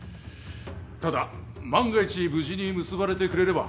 ただ万が一無事に結ばれてくれれば